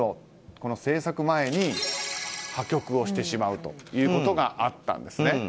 この制作前に破局してしまうということがあったんですね。